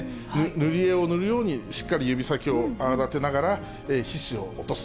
塗り絵を塗るように、しっかり指先を泡立てながら、皮脂を落とす。